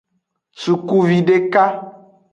Sukuvideka.